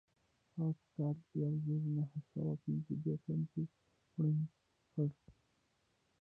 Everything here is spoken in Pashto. هغه په کال یو زر نهه سوه پنځه دېرش کې وړاندې کړه.